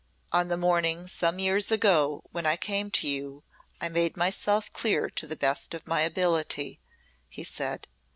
"On the morning some years ago when I came to you I made myself clear to the best of my ability," he said.